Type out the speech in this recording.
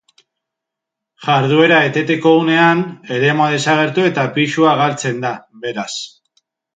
Jarduera eteteko unean, eremua desagertu eta pisua galtzen da, beraz.